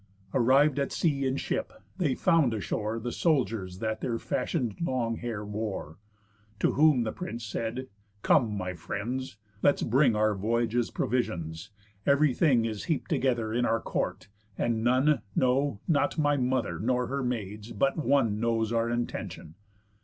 Arrived at sea and ship, they found ashore The soldiers that their fashion'd long hair wore; To whom the prince said: "Come, my friends, let's bring Our voyage's provision; ev'ry thing Is heap'd together in our court; and none, No not my mother, nor her maids, but one Knows our intention."